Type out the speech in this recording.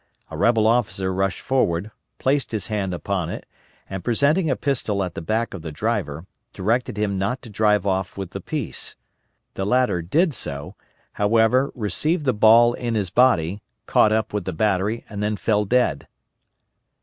A rebel officer rushed forward, placed his hand upon it, and presenting a pistol at the back of the driver, directed him not to drive off with the piece. The latter did so, however, received the ball in his body, caught up with the battery and then fell dead.